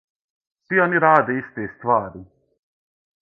Сви они раде исте ствари.